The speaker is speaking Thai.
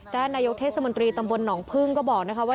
ด้านนายกเทศมนตรีตำบลหนองพึ่งก็บอกนะคะว่า